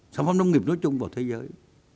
sản phẩm nông nghiệp nói chung vào thế giới